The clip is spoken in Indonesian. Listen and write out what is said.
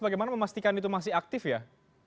bagaimana memastikan itu masih aktif ya